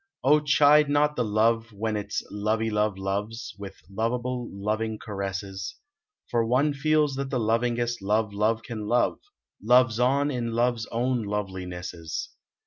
( )h. chide not the love when its lovey love loves With lovable, loving caresses ; For one feels that the lovingest love love can love. Loves on in love s own lovelinesses.